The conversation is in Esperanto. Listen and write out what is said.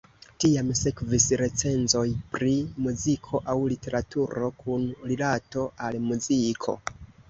Tiam sekvis recenzoj pri muziko aŭ literaturo kun rilato al muziko.